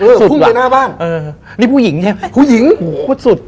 พุ่งไปหน้าบ้านเออนี่ผู้หญิงใช่ไหมผู้หญิงโอ้โหพูดสุด